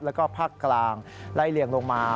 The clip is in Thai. แล้วก็ภาคกลางไล่เลี่ยงลงมา